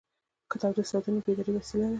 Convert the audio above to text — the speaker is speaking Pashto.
کتاب د استعدادونو د بیدارۍ وسیله ده.